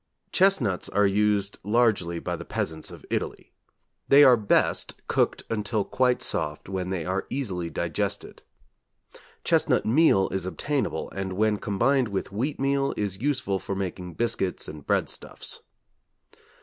Chestnuts are used largely by the peasants of Italy. They are best cooked until quite soft when they are easily digested. Chestnut meal is obtainable, and when combined with wheatmeal is useful for making biscuits and breadstuffs.